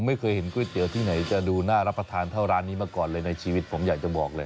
ไม่เคยเห็นก๋วยเตี๋ยวที่ไหนจะดูน่ารับประทานเท่าร้านนี้มาก่อนเลยในชีวิตผมอยากจะบอกเลย